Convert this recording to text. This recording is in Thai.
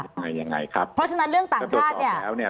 เพราะฉะนั้นเรื่องต่างชาติเนี่ย